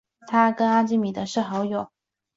他跟阿基米德是好友。